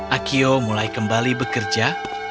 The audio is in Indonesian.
akiyo mulai kembali bekerja